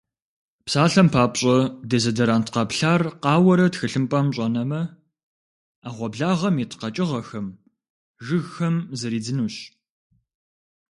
Псалъэм папщӏэ, дезодорант къэплъар къауэрэ тхылъымпӏэм щӏэнэмэ, ӏэгъуэблагъэм ит къэкӏыгъэхэм, жыгхэм зридзынущ.